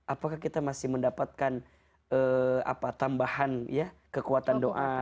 apakah kita masih mendapatkan tambahan kekuatan doa